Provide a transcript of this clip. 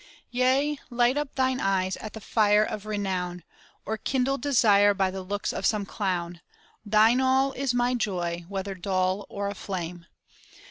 Yea, light up thine eyes at the Fire of Renown! Or kindle desire by the looks of some clown! Thine All is my joy, whether dull or aflame!